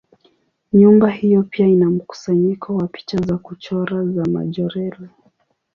Nyumba hiyo pia ina mkusanyiko wa picha za kuchora za Majorelle.